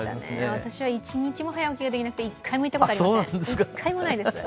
私は一日も早起きができなくて、１回も行ったことがありません。